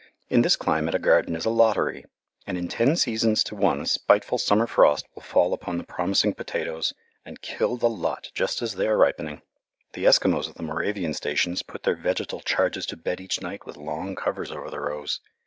In this climate a garden is a lottery, and in ten seasons to one a spiteful summer frost will fall upon the promising potatoes and kill the lot just as they are ripening. The Eskimos at the Moravian stations put their vegetal charges to bed each night with long covers over the rows.